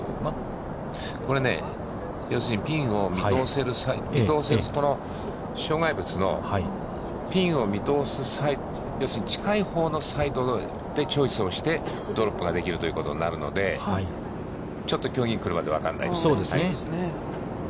これ、要するにピンを見通せる、障害物のピンを見通す、要するに近いほうのサイドでチョイスをして、ドロップができるということになるので、ちょっと競技委員来るまでわからないですね。